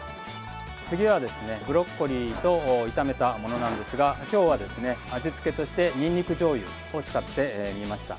次は、ブロッコリーと炒めたものなんですが今日は味付けとしてにんにくじょうゆを使ってみました。